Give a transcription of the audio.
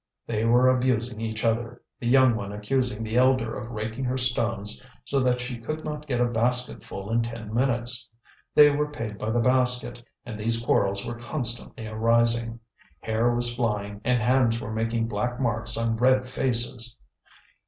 They were abusing each other, the young one accusing the elder of raking her stones so that she could not get a basketful in ten minutes. They were paid by the basket, and these quarrels were constantly arising. Hair was flying, and hands were making black marks on red faces.